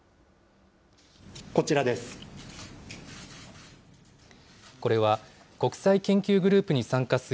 こちらです。